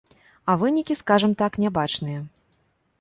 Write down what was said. А вынікі, скажам так, нябачныя.